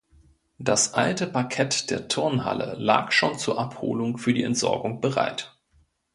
Das alte Parkett der Turnhalle lag schon zur Abholung für die Entsorgung bereit.